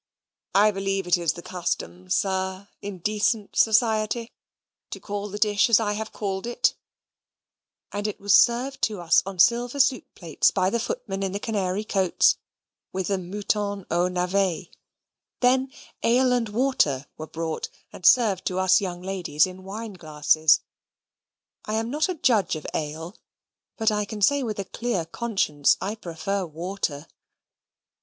"I believe it is the custom, sir, in decent society," said Mr. Crawley, haughtily, "to call the dish as I have called it"; and it was served to us on silver soup plates by the footmen in the canary coats, with the mouton aux navets. Then "ale and water" were brought, and served to us young ladies in wine glasses. I am not a judge of ale, but I can say with a clear conscience I prefer water.